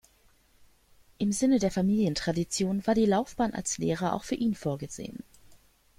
Im Sinne der Familientradition war die Laufbahn als Lehrer auch für ihn vorgesehen.